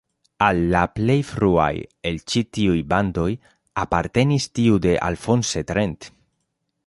Al la plej fruaj el ĉi tiuj bandoj apartenis tiu de Alphonse Trent.